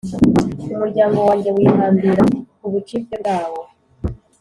Umuryango wanjye wihambira ku bucibwe bwawo;